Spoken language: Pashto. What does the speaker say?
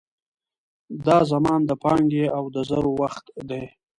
دا زمان د پانګې او د زرو وخت دی.